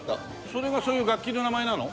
それがそういう楽器の名前なの？